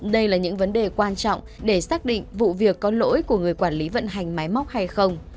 đây là những vấn đề quan trọng để xác định vụ việc có lỗi của người quản lý vận hành máy móc hay không